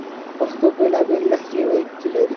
پښتو بېلابېل لهجې ویونکې لري